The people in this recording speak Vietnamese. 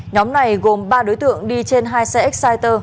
nhóm này gồm ba đối tượng đi trên hai xe exciter